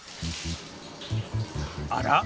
あら？